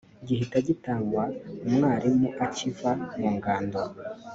gihita gitangwa umwarimu akiva mu ngando